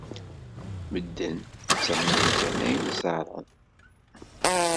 Medden ttamnen kan ayen ẓerren.